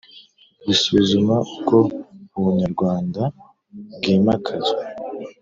Gusuzuma uko ubunyarwanda bw’imakazwa